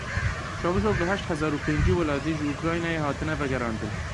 Çavuşoglu heşt hezar û pêncî welatî ji Ukraynayê hatine vegerandin.